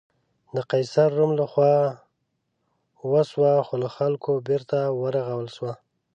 د قیصر روم له خوا وسوه خو له خلکو بېرته ورغول شوه.